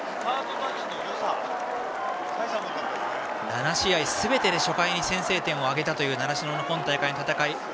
７試合すべてで初回に得点を挙げた習志野の今大会の戦い。